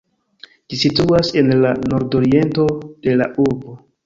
Ĝi situas en la nordoriento de la urbo.